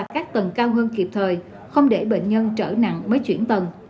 các tầng cao hơn kịp thời không để bệnh nhân trở nặng mới chuyển tầng